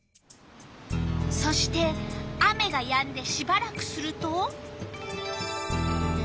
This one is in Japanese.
そして雨がやんでしばらくすると。